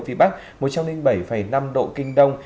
phía bắc một trăm linh bảy năm độ kinh đông